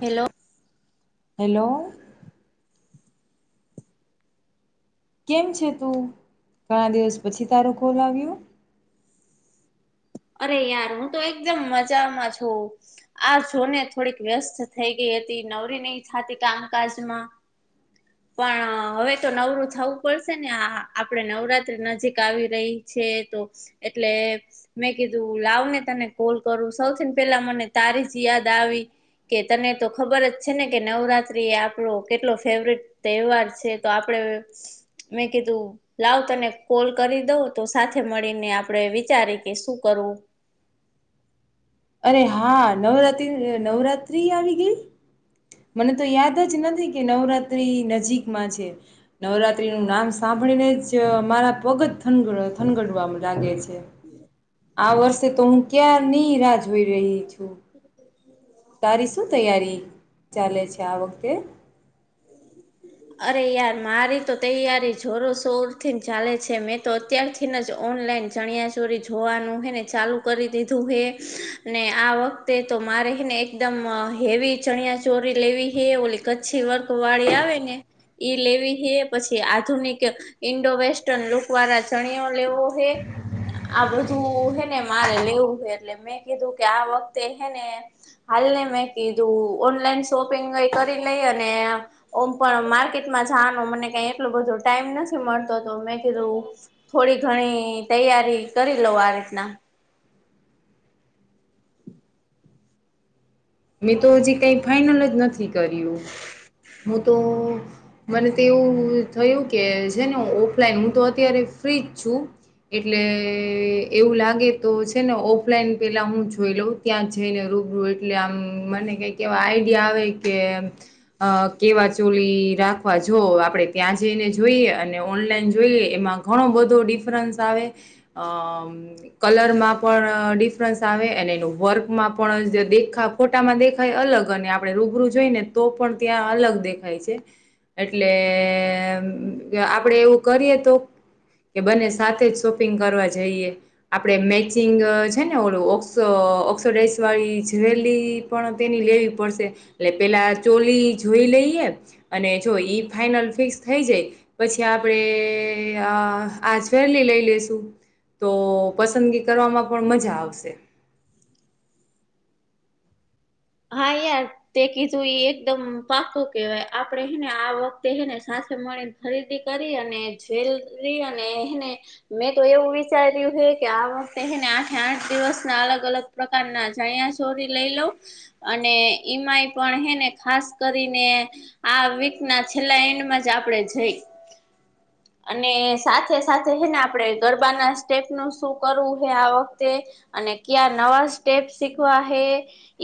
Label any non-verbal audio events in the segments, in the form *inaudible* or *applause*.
Hello hello કેમ છે તું ઘણા દિવસ પછી તારું કોલ આવ્યો અરે યાર હું તો એકદમ મજામાં છું આ જોને થોડીક વ્યસ્ત થઈ ગઈ તી નવરી નય થાતી કામકાજમાં પણ હવે, તો નવરું થવું પડશે ને આ આપડે નવરાત્રી નજીક આવી રહી. છે, તો એટલે. મેં કીધું લાવ, ને તને કોલ કરું સૌથીને પેલા મને તારી જ યાદ આવી. કે તને તો ખબર જ છેને, કે નવરાત્રી એ આપણો કેટલો ફેવરટ તહેવાર છે, તો આપડ. યસ. મેં કીધું લાવ, તને કોલ કરી દઉં તો સાથે મળીને આપડે વિચારી. તે શું કરું. અરે, હા નવરાત્રી નવરાત્ર્રી આવી ગઈ. મને તો યાદ જ નથી, કે નવરાત્રી નજીકમાં છે, નવરાત્રી નું નામ સા. સાંભળીને જ મારા પગ જ, થનગડવા લાગે છે. આ વર્ષે, તો હું ક્યારનીઈ રાહ જોઈ રહી છું. તારી શું તૈયારી ચાલે છે, આ વખતે. અરે યાર મારી, તો તૈયારી જોરો શોર થી ચાલે છે, મેં તો અત્યાર થી જ ઓન. ચણિયા ચોરી જોવાનું, હેને ચાલુ કરી દીધું હે ને આ વખતે તો મારે. રને એકદમ હેવી, ચણિયા ચોરી લેવી હ ઓલી કચ્છી વર્ક વાળી આવે ને. ઈ લેવી હે, પછી આધુનિક ઈન્ડો વેસ્ટર્ન લુક વાળા જણીયો લેવો હે. આ બધું હેને, મારે લેવું હોય એટલે મેં કીધું કે આ વખતે હેને. હાલ, ને મેં કીધું ઓનલાઈન શોપિંગ કરી લઈ અને ઓમ પણ. માર્કેટમાં જનો, મને કઈ એટલોું બધો ટાઈમ નથી મળતો તો મેં કીધું થોડી ઘણી. તૈયારી કરી લ આ રીતના. મેં તો હજી કઈ ફાઈનલ જ નથી, કર્યું. હું, તો મને તો એવું થયું કે છેને ઓફલાઈન હું તો અત્યારે. ફ્ર્રીજું. એટલે એવું લાગે તો છેને, ઓફલાઈન પેલા હું જોઈ લઉં ત્યાં જઈને. રૂબ એટલે આમ મને કઈક એવા આઈડિયા, આવે કે કેવા ચોલી રાખવા જો. આપણે ત્યાં જઈને, જોઈએ અને ઓનલાઈન જોઈએ, એમાં ઘણો બધો ડિફરન્સ આવે. કલરમાં પણ ડિફરન્સ આવે, અને એનું વર્કમાં પણ દેખા. ખોટામાં દેખાય, અલગ અને આપડણે રૂબરૂ જોઈ, ને તો પણ ત્યાં અલગ દેખાય છે. એટલે આપડે એવું, કરીએ તો કે બને સાથે જ શોપિંગ કરવા જઈએ, આપડે મેચિંગ છેને, ઓડું ઓક્સો ઓક્સોડાઇઝ વાળી જવેલી પણ, તેની લેવી પડશે એટ પેલા ચોલી જોઈ, લઈએ અને જોઈ ફનલ ફિક્સ થઈ, જાય પછી આપણે આજ ફેરલી લઈ લેશું તો પસંદગી કરવામાં પણ મજા આવશે હમ. હા, યાર તે કીધું એ એકદમ પાકું કેહેવાય આપડે હેને આ વખતે હને, સા મળીને ખરીદી, કરી અને જ્વેલરી અને એને મેં, તો એવું વિચાર્યું કે આ વખતે એને આઠ, આઠ દિવસના અલગ, અલગ પ્રકારના જયા, ચોરી લઈ લઉં અને ઈમાય પણ હેને, ખાસ કરીને આ વીક ના છેલ્લા એન્ડમાં જ આપણેે જઈ. અને સાથે સાથે છેને, આપડણે ગરબાના સ્ટેપનુંું શું કરવું, હે આ વખતે અને ક્યાં નવા સ્ટેપ શીખવા હે,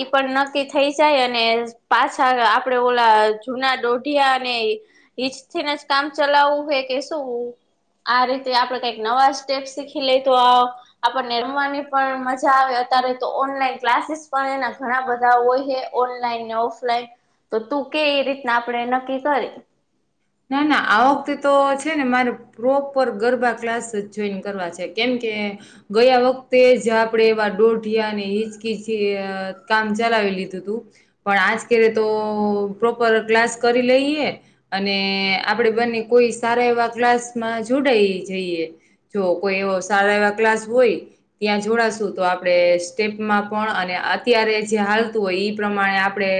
ઈ પણ નક્કી થઈ જાય, અને પા પાછા, આપડે ઓલા જુના દોઢિયા અને ઈજ, ને જ કામ ચલાવવું હોય કેસ. આ રીતે આપડે કઈક નવા સ્ટેપ શીખી લઈ, તો આપણને રમવાની પણ મજા આવે યારે, તો ઓનલાઈન ક્લાસીસ પણ એના ઘણા બધા હોય છે, ઓનલાઈન ને ઓફલાઈન તો તું કેવી રીતના, આપણે નક્કી કરી ના ના આ વખતે તો છેને, મારે પ્રોપર ગરબા ક્લાસ જ જોઈન કરવા છે, કેમ ગયા, વખતે જ આપણેે એવા ડોઢિયા ને હિચકીચ, કામ ચલા તો પ્રોપર ક્લાસ કરી લઈ અને આપડે બંને કોઈ સારા એવા ક્લાસમાં જોડાઈ જઈએ જો કોઈ એવો સારા એવા ક્લાસ હોય ત્યાં જોડાશું તો આપણે સ્ટેપમાં પણ અને અત્યારે હાતું હોય પ્રમાણે આપણે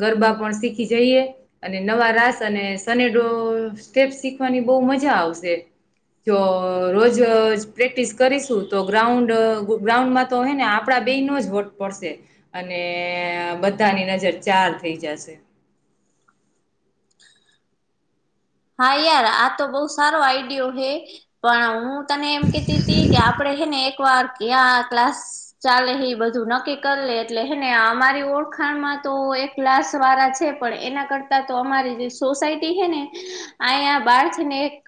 ગરબા પણ શીખી જઈએ અને નવા રાસ અને સનેડો સ્ટેપ શીખવાની બહુ મજા આવશે જો રોજ પ્રેક્ટિસ કરીશું તો ગ્રાઉન્ડ ગ્રાઉન્ડમાં તો હ ને આપડા બે નો જ વટ પડશે અને બધાની નજર ચાર થઈ જશે હા યાર આ તો બહુ સારો આઈડિયો હે પણ હું તને એમ કતી હતી કે આપડે હ ને એક વાર કે આ ક્લાસ ચાલે એ બધું નક્કી કરી લે એટલે હેને અમારી ઓળખાણ માં તો એક ક્લાસ વાળા છે પણ એના કરતા તો અમારી જે સોસાયટી છે ને અહીયા બારથીને એક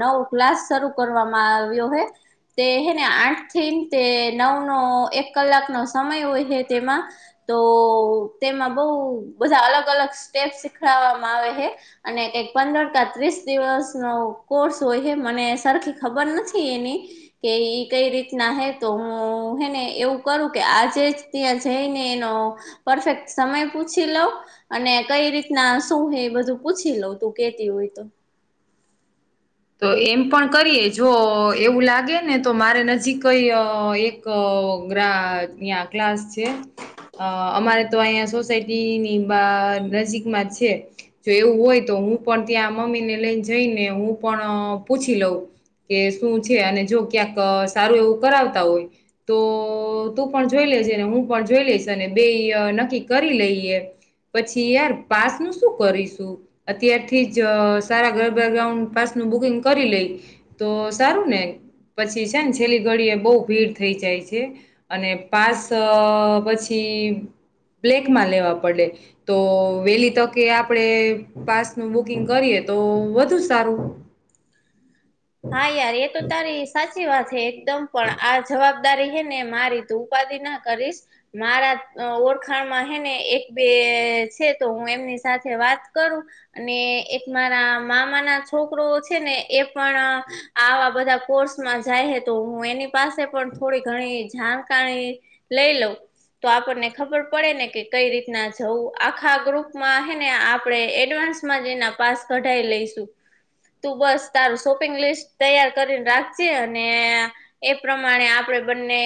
નવો ક્લાસ શરૂ કરવામાં આવ્યો હ તે હે ને આઠ થી તે નવ નો એક કલાકનો સમય હોય છે તેમાં તો તેમાં બહું બધા અલગ અલગ સ્ટેપ શીખડવામાં આવે છે અને કઈક પંદર ક ત્રીસ દિવસ નો કોર્સ હોય છે મને સરખી ખબર નથી એની કે કઈ રીતના હે તો હું હેને એવું કરું કે આજે જ ત્યાં જઈને એનો પરફેક્ટ સમય પૂછી લઉ અને કઈ રીતના શું હ એ બધું પૂછી લઉ તું કેતી હોય તો તો એમ પણ કરીએ જો એવું લાગે ને તો મારે નજીક એક ગરબાના ક્લાસ છે અમારે તો અહીંયા સોસાયટી ની બ નજીકમાં છે જો એવું હોય તો હું પણ ત્યાં મમ્મીને લઈને જઈને હું પણ પૂછી લઉં કે શું છે અને જો ક્યાંક સારું એવું કરાવતા હોય તો તું પણ જોઈ લે હું પણ જોઈ લઈશ અને બે નક્કી કરી લઈએ પછી યાર પાસ નું શું કરીશું અત્યારથી જ સારા ગરબા ગ્રાઉન્ડ પાસં હુ બુકિંગ કરી લઈ તો સારું ને પછી છે ને છેલ્લી ઘડી એ બહુ ભીડ થઈ જાય છે અને પાસ પછી તે બ્લેકમાં લેવા પડે તો વેલી તકે આપણે પાસનું બુકિંગ કરીએ તો વધુ સારું હા યાર એ તો તારી સાચી વાત છે એકદમ પણ આ જવાબ તારી હેને મારી તું ઉપાધિ ના કરીશ મારા ઓળખાણમાં હે ને એક બે એ છે તો હું એમની સાથે વાત કરું અને એક મારા મામા ના છોકરો તો છે ને એ પણ આવા બધા કોર્સમાં જાય તો હું એની પાસે પણ થોડી ઘણી જાણકારી લઈ લંઉ તો આપણને ખબર પડે ને કે કઈ રીતના જવું આખા ગ્રુપમાં હે ને આપણે એડવાસ માં જઈને પાસ કઢાવી લઈશું તું બસ તારુ સોચ તુ લિસ્ટ તૈયાર કરીને રાખજ અને એ પ્રમાણે આપડે બંને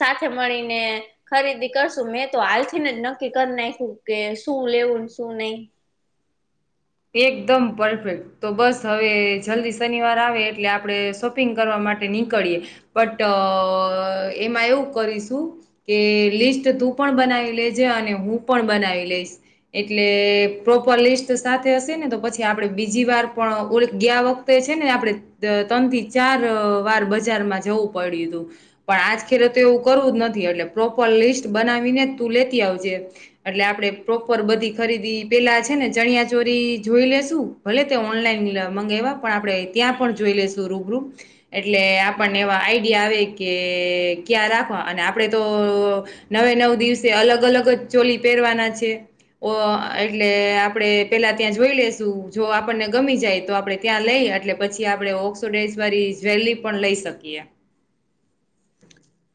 સાથે મળીને ખરીદી કરશું મેં તો હાલથીને જ નક્કી કરી નાખ્યું કે શું લેવુ એવું શું નહી એકદમ પરફેક્ટ તો બસ હવે જલ્દી શનિવાર આવે એટલે આપડે શોપિંગ કરવાવામાં માટે નીકળ બટ એમાં એવું કરીશું કે લિસ્ટ તું પણ બનાવી લેજે અને હું પણ બનાવી લઈશ એટલે પ્રોપર લિસ્ટ સાથે હશે ને તો પછી આપડણે બીજી વાર પણ ઓ ગયા વખતે છે ને આપણે ત્રણ થી ચાર તો વાર બજારમાં જવું પડ્યું હતું પણ આજ ખેરે તો એવું કરવું જ નથી એટલે પ્રોપર લિસ્ટ બનાવીને તું લેતી આવજે એટલે આપડે પ્રોપર બધી ખરીદી પેલા છે ને ચણિયા ચોરી જોઈ લેશું ભલે તે ઓનલાઈન મંગાવવા પણ આપણેે ત્યાં પણ જોઈ લેશું રૂબરૂ એટલે આપણને એવા આઈડિયા આવે કે ક્યાં રાખવા અને આપડે તો નવે નવ દિવસે અલગ અલગ જ ચોલી પહેરવાના છે ઓ એટલે આપણેે પેલા ત્યાં જોઈ લેશું જો આપણને ગમી જાય તો આપડે ત્યાં લઈ એટલે પછી આપડે ઓક્સોડાઝ વાળી જવેલી પણ લઈ શકીએ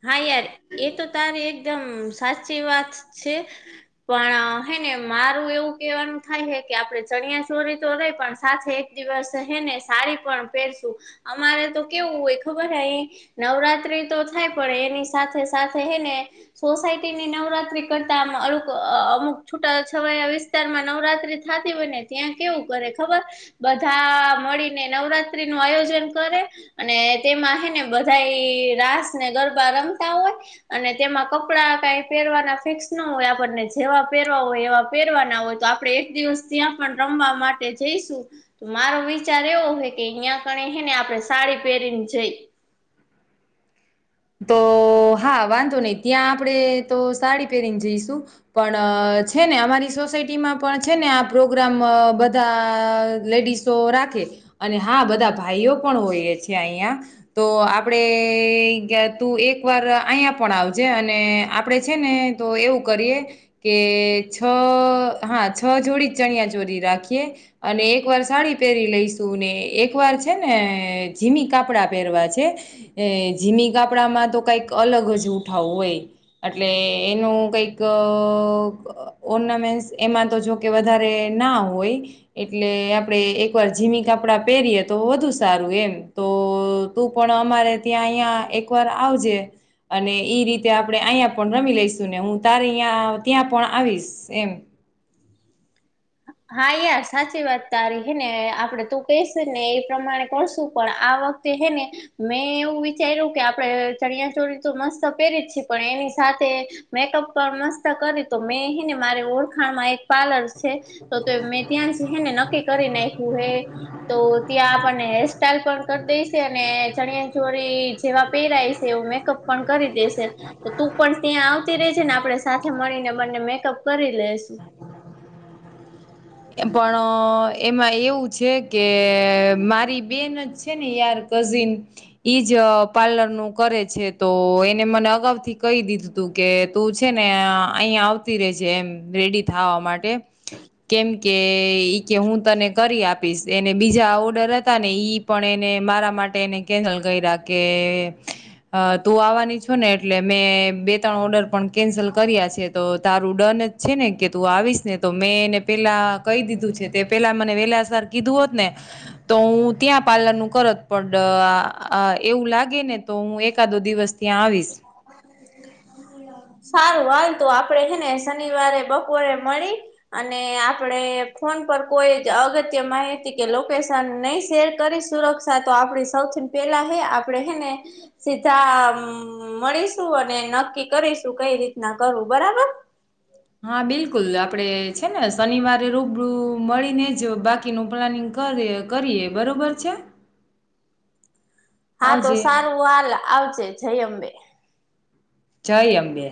હા યાર એ તો તારે એક એકદમ સાચી વાત છે પણ હે ને મારું એવું કેવાનું થાય કે આપણે ચણિયા ચોરી તો હે પણ સાથે એક દિવસ હેને સાડી પણ પહેરશું અમારે તો કેવું હોય ખબર હેઈ નવરાત્રી તો થાય પડે એની સાથે સાથે હે એને સોસાયટીની નવરાત્રી કરતા અુક અમુક છૂટા છવાયા વિસ્તાર માં નવરાત્રી થાતી હોય ને ત્યાં કેવું કરે ખબર બધા મળીને નવરાત્રી નું આયોજન કરે અને તેમાં હે ને બધા રાસ ને ગરબા રમતા હોય અને તેમાં કપડા કાઈ પહેરવાના ફિકસ ન હોય આપને જેવા પરવા હોય એવા પહેરવા ના હોય તો આપણે એક દિવસ ત્યાં પણ રમવા માટે જઈશું તો મારું વિચાર એવો હોય કે અહિયાયા ક હે ને આપણે સાડી પહેરીને જઈ તો હા વાંધો નહી ત્યાં આપણે તો સાડી પહેરીને જઈશું પણ છે ને અમારી સોસાયટીમાં પણ છે ને આ પ્રોગ્રામ બધા લેડીસો રાખે કે અને હા બધા ભાઈઓ પણ હોઈએ છેએ અહિયાં તો આપડે તું એક વાર અહીંયા પણ આવજે અને આપડે છે ને તો એવું કરીએ કે છો હા છો જોડી ચણિયા ચોરી રાખીએ અને એક વાર સાડી પહેરી લઈશ તુ ને એક વાર છે ને જીમી કાપડા પહેરવા છે જીમી કપડામાં તો કઈક અલગ જ ઉઠાવું હોય એટલે એનું કઈક ઓર્નામેન્ટ એમાં તો જોકે વધારે ના હોય એટલે આપડે એક વાર જીમી કપડા પહેરીએ તો વધુ સારું એમ તો તું પણ અમારે ત્યાં અહીયા એકવાર આવજે અને એઈ રીતે આપડે અહીં પણ રમી લઈશું ને હું તારે અં ત્યાં પણ આવીશ એમ હા યાર સાચી વાત તારી હે ને આપડે તું કેઈશ ને એ પ્રમાણે કરશું પણ વખતે હે ને મેં એવું વિચાર્યું કે આપડે ચણિયા ચોળી તો મસ્ત પહેરી જ છેી પણ એની. સાથે મેકઅપ પણ મસ્ત કરી તો મેંહી ને મારી ઓળખાણમાં એક પાર્લર છે. તો તો મેં ત્યાં જ હેને નક્કી કરી નાખ્યું હે તો ત્યાં આપણને હેર સાઈલ પણ. દે અને ચણિયા ચોળી જેવા પહેરાય છે એવું મેકઅપ પણ કરી દેશે તું પણ. ત્યાં આવતી રહી છે ને આપડે સાથે મળીને બંને મેકઅપ કરી લેસુ. પણ એમાં એવું છે કે મારી બેન જ છે ને યાર ક. ઇ જ પાર્લર નું કરે છે તો એને મને અગાઉ થી કહી દીધું તું કે. તું છે ને અહીિયાં આવતી રેજે એમ રેડી થવા માટે કેમ. કે ઈ કે હું તને કરી આપીશ એને બીજા ઓર્ડર હતા ને ઈ પણ એને મારામાં. કકેન્સલ કર્યા કે તું આવવાની છ ને એટલે મેં બે ત્રણ. ઓર્ડર પણ કેન્સલ કર્યા છે તો તારું ડન જ છે ને કે તું આવીશ ને તો મેં એને પેલા. કહી દીધું છે તે પેલા મને વેલા. કીધું હોત ને તો હું ત્યાં પાર્લર નું કરત પણ એવું લાગે ને. ને તો હું એકાદો દિવસ ત્યાં આવીશ. સારું હાલ તોું આપડે હને શનિવારે બપોરે મળી અને આપડે. ફોન પર કોઈ જ અગત્ય માહિતી કે લોકેશન નહી શેર કરી સુરક્ષા તો આપણી સૌથી. પેલા આપણેેને સીધા મળીશું અને નક્કી કરીશું. તું કઈ રીતના કરું બરાબર. હા બિલકુલ આપડે છે ને શનિવારે રૂબરૂ મળીને જ બાકીનું પ્લાનિંગ. કરીએ બરોબર છે. *inaudible* હા તો આવજે. સારું હાલ આવજે જય અંબે. જય અંબે.